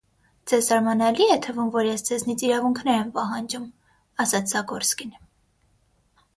- Ձեզ զարմանալի՞ է թվում, որ ես ձեզանից իրավունքներ եմ պահանջում,- ասաց Զագորսկին: